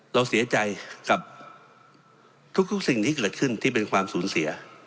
เราเสียใจในความสูญเสียของสิ่งที่เกิดขึ้น